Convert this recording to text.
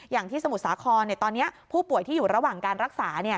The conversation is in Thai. อย่างที่สมุทรสาครตอนนี้ผู้ป่วยที่อยู่ระหว่างการรักษา